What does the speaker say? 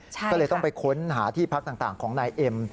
ใช่ค่ะก็เลยต้องไปค้นหาที่พักต่างต่างของนายเอ็ม